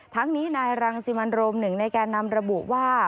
ทั้งนี้นายรังสิมันโรมหนึ่งในแก่นำระบุว่า